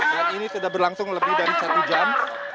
dan ini sudah berlangsung lebih dari satu jam